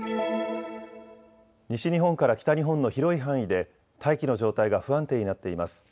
西日本から北日本の広い範囲で大気の状態が不安定になっています。